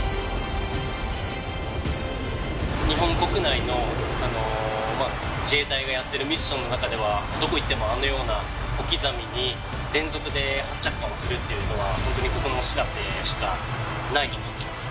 日本国内の自衛隊がやってるミッションの中ではどこ行ってもあのような小刻みに連続で発着艦をするっていうのはホントにここのしらせしかないと思ってます。